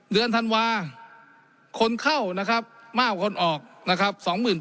เดือนธันวาคนเข้ามากกว่าคนออก๒๘๐๐๐คนนะครับ